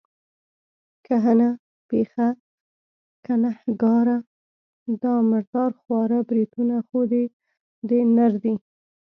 کهنه پېخه، ګنهګاره، دا مردار خواره بریتونه خو دې د نر دي.